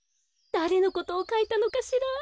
だれのことをかいたのかしら？